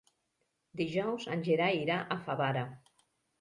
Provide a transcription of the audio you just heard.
Dijous en Gerai irà a Favara.